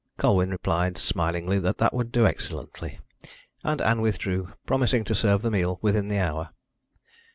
Colwyn replied smilingly that would do excellently, and Ann withdrew, promising to serve the meal within an hour.